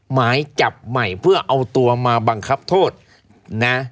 หมายจับใหม่เพื่อเอาตัวมาบังคับโทษนะ